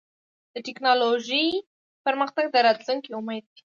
د ټکنالوجۍ پرمختګ د راتلونکي امید دی.